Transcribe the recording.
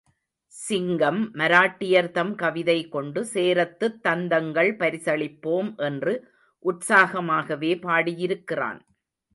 சிங்கம் மராட்டியர்தம் கவிதை கொண்டு சேரத்துத் தந்தங்கள் பரிசளிப்போம் என்று உற்சாகமாகவே பாடியிருக்கிறான்.